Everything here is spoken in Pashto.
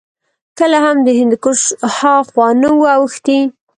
کله هم د هندوکش هاخوا نه وو اوښتي